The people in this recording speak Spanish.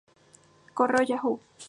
Correo Yahoo!